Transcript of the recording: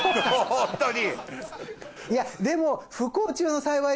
ホントに。